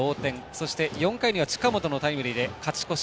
そして、４回には近本のタイムリーで勝ち越し。